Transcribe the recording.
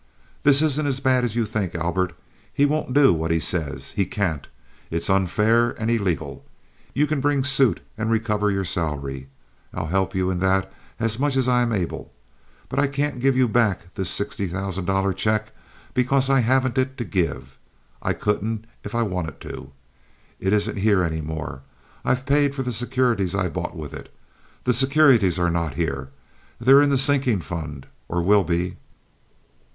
"This isn't as bad as you think, Albert. He won't do what he says. He can't. It's unfair and illegal. You can bring suit and recover your salary. I'll help you in that as much as I'm able. But I can't give you back this sixty thousand dollar check, because I haven't it to give. I couldn't if I wanted to. It isn't here any more. I've paid for the securities I bought with it. The securities are not here. They're in the sinking fund, or will be."